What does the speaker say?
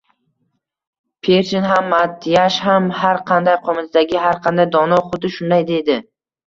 Pershin ham, Matyash ham, har qanday qoʻmitadagi har qanday dono xuddi shunday deydi.